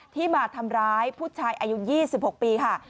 ที่มาทำร้ายผู้ชายอายุ๒๖ปีค่ะ